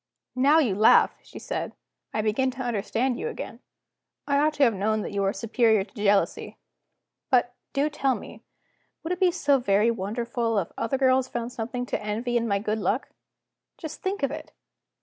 "Now you laugh," she said, "I begin to understand you again; I ought to have known that you are superior to jealousy. But, do tell me, would it be so very wonderful if other girls found something to envy in my good luck? Just think of it!